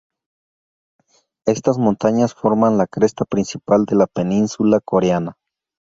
Estas montañas forman la cresta principal de la península coreana.